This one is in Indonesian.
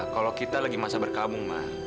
kalau kita lagi masih berkabung mak